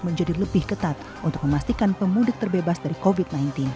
menjadi lebih ketat untuk memastikan pemudik terbebas dari covid sembilan belas